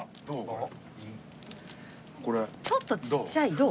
どう？